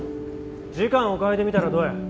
時間を変えてみたらどや。